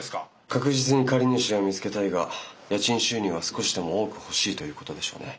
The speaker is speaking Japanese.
確実に借り主を見つけたいが家賃収入は少しでも多く欲しいということでしょうね。